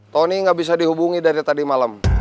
tony nggak bisa dihubungi dari tadi malam